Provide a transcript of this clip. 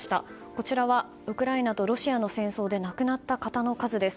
こちらはウクライナとロシアの戦争で亡くなった方の数です。